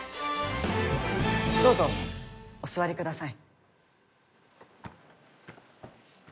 どうぞお座りください。